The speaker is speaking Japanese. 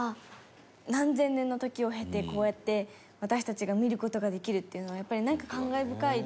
何千年の時を経てこうやって私たちが見る事ができるっていうのはやっぱりなんか感慨深いですよね